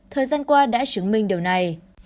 thời gian qua đã chứng minh điều này